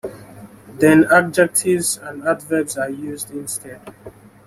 Then adjectives and adverbs are used instead.